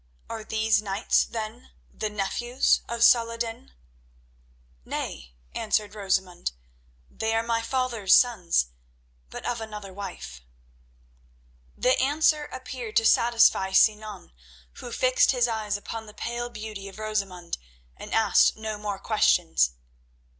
Are these knights, then, the nephews of Salah ed din?" "Nay," answered Rosamund, "they are my father's sons, but of another wife." The answer appeared to satisfy Sinan, who fixed his eyes upon the pale beauty of Rosamund and asked no more questions.